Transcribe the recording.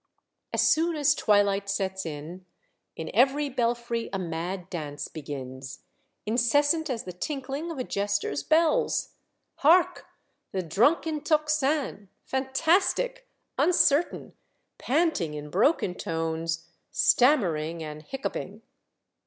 As soon as twilight sets in, in every belfry a mad dance begins, incessant as the tinkling of a jester's bells ! Hark ! the drunken tocsin, fantastic, uncertain, panting in broken tones, stammering and hiccoughing.